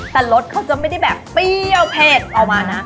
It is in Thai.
แต่รสเขาจะไม่ได้แบบเปรี้ยวเผ็ดออกมานะ